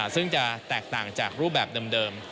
ซึ่งจะแตกต่างจากรูปแบบเดิม